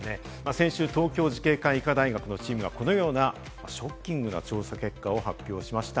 先週、東京慈恵会医科大学のチームがこのようなショッキングな調査結果を発表しました。